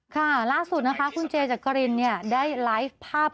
ค่ะล่าสุดนะคะคุณเจจักรินเนี่ยได้ไลฟ์ภาพ